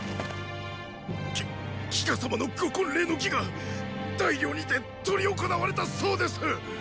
きっ季歌様のご婚礼の儀が大梁にて執り行われたそうです！！